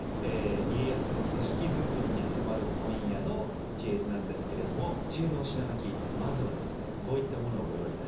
家康の組織づくりに迫る今夜の「知恵泉」なんですけれども知恵のお品書きまずはですねこういったものをご用意いたしました。